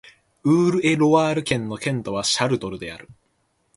ウール＝エ＝ロワール県の県都はシャルトルである